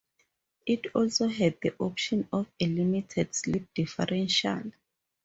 It also had the option of a limited slip differential.